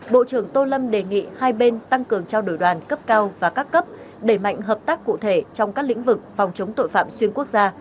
bộ trưởng tô lâm đề nghị hai bên tăng cường trao đổi đoàn cấp cao và các cấp đẩy mạnh hợp tác cụ thể trong các lĩnh vực phòng chống tội phạm xuyên quốc gia